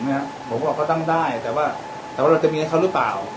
เนี้ยผมว่าก็ตั้งได้แต่ว่าแต่ว่ามันต้องมีใครรู้เปล่า